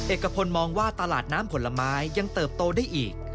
เอกพลมองว่าตลาดน้ำผลไม้ยังเติบโตได้อีก